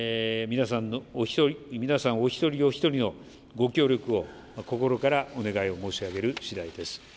皆さんお一人お一人のご協力を心からお願いを申し上げるしだいです。